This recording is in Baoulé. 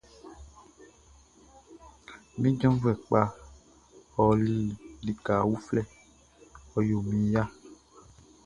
Mi janvuɛ kpaʼn ɔli lika uflɛ, ɔ yo min ya.